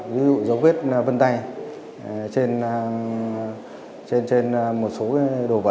ví dụ dấu vết vân tay trên một số đồ vật